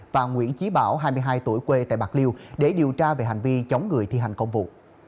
và nguyễn trí bảo hai mươi hai tuổi quê tại bạc liêu để điều tra về hành vi chống người thi hành công vụ